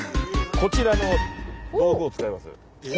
こちらの道具を使います。